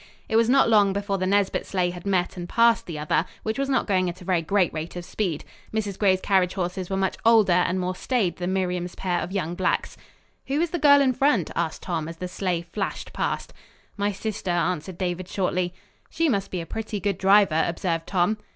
It was not long before the Nesbit sleigh had met and passed the other, which was not going at a very great rate of speed. Mrs. Gray's carriage horses were much older and more staid than Miriam's pair of young blacks. "Who is the girl in front?" asked Tom, as the sleigh flashed past. "My sister," answered David shortly. "She must be a pretty good driver," observed Tom.